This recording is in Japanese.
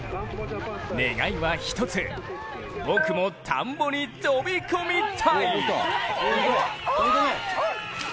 願いは１つ、僕も田んぼに飛び込みたい！